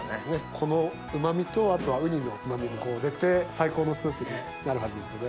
このうま味とあとはウニのうま味も出て最高のスープになるはずですよね。